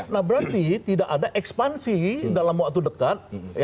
nah berarti tidak ada ekspansi dalam waktu dekat